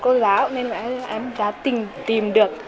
bộ giáo nên em đã tìm được